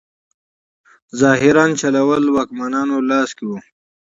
ظاهراً چلول واکمنانو لاس کې وي.